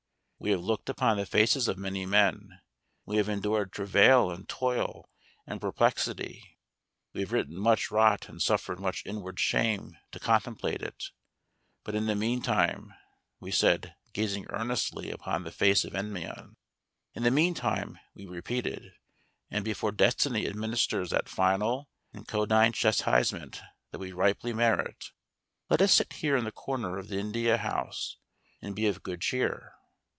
We have looked upon the faces of many men, we have endured travail and toil and perplexity, we have written much rot and suffered much inward shame to contemplate it; but in the meantime (we said, gazing earnestly upon the face of Endymion), in the meantime, we repeated, and before destiny administers that final and condign chastisement that we ripely merit, let us sit here in the corner of the India House and be of good cheer.